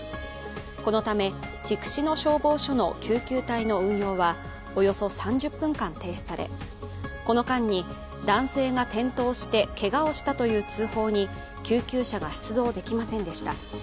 このため、筑紫野消防署の救急隊の運用はおよそ３０分間停止されこの間に男性が転倒してけがをしたという通報に、救急車が出動できませんでした。